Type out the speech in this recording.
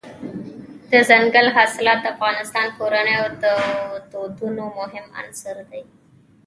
دځنګل حاصلات د افغان کورنیو د دودونو مهم عنصر دی.